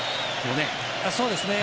そうですね。